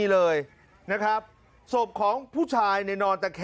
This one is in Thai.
ร่างกายมีรอยสัก